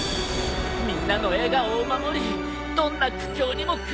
みんなの笑顔を守りどんな苦境にも屈しない！